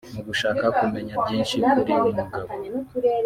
mu gushaka kumenya byinshi kuri uyu mugabo